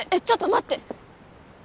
ちょっと待って！